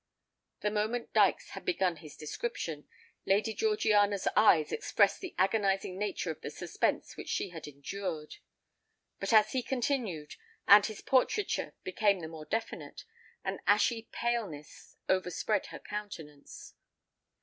The moment Dykes had begun his description, Lady Georgiana's eyes expressed the agonising nature of the suspense which she endured; but as he continued, and his portraiture became the more definite, an ashy paleness overspread her countenance.